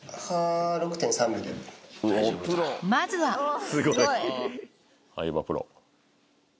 まずは相葉プロ。